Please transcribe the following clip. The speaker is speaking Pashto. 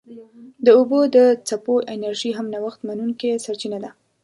د اوبو د څپو انرژي هم نوښت منونکې سرچینه ده.